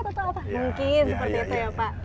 mungkin seperti itu ya pak